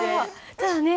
ただね